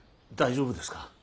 大丈夫ですか。